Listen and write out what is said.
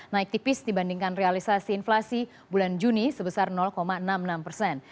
naik tipis dibandingkan realisasi inflasi bulan juni sebesar enam puluh enam persen